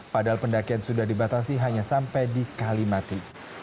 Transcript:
padahal pendakian sudah dibatasi hanya sampai di kalimati